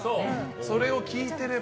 それを聞いてれば。